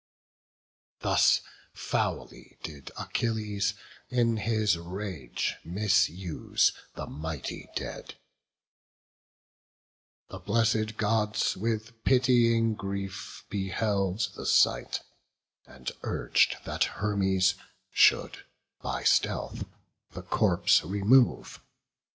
Thus foully did Achilles in his rage Misuse the mighty dead; the blessed Gods With pitying grief beheld the sight, and urg'd That Hermes should by stealth the corpse remove.